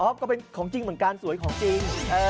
ก็เป็นของจริงเหมือนกันสวยของจริง